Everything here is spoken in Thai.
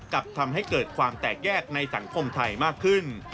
ทำให้เกิดความแตกแยกในสังคมไทยมากขึ้น